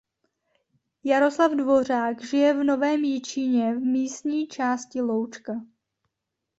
Jaroslav Dvořák žije v Novém Jičíně v místní části Loučka.